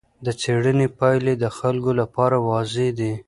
د څېړنې پایلې د خلکو لپاره واضح دي.